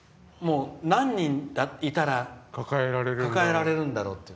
何人いたら抱えられるんだろうと。